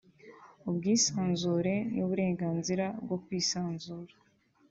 ubwisanzure n;uburenganzira bwo kwisanzura